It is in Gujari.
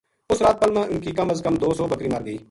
اُس رات پل ما ان کی کم از کم دو سو بکری مرگئی